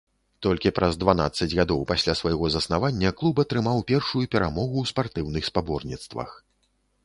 Толькі праз дванаццаць гадоў пасля свайго заснавання клуб атрымаў першую перамогу ў спартыўных спаборніцтвах.